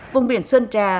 vùng biển sơn trà